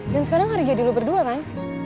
dan sekarang hari jadi lo berdua kan